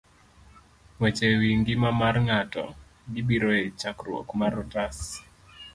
Weche e Wi Ngima mar Ng'ato.gibiro e chakruok mar otas